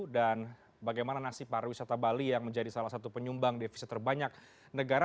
dan bagaimana nasib para wisata bali yang menjadi salah satu penyumbang defisit terbanyak negara